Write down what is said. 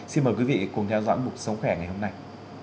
xin mời quý vị cùng theo dõi mục sống khỏe ngày hôm nay